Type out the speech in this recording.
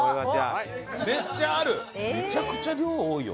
めちゃくちゃ量多いよ